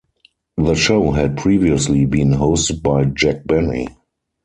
The show had previously been hosted by Jack Benny.